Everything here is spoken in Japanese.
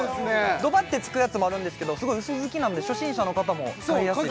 ドバってつくやつもあるんですけどすごい薄づきなんで初心者の方も使いやすいです